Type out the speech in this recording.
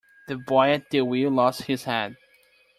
The boy at the wheel lost his head.